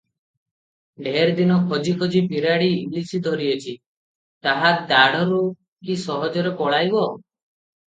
ଢେର ଦିନ ଖୋଜି ଖୋଜି ବିରାଡ଼ି ଇଲିଶି ଧରିଅଛି, ତାହା ଦାଢ଼ରୁ କି ସହଜରେ ପଳାଇବ?